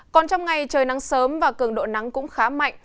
còn trong ngày trời nắng sớm và cường độ nắng cũng khá mạnh